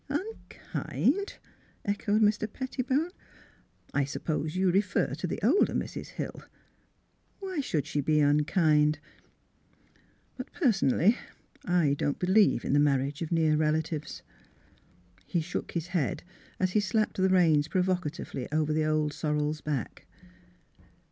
" Unkind? " echoed Mr. Pettibone. *' I suppose you refer to the older Mrs. Hill. Why should she be unkind? But personally I don't believe in the marriage of near relatives." He shook his head, as he slapped the reins provocatively over the old sorrel's back.